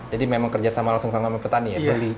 jadi memang kerja sama langsung sama petani ya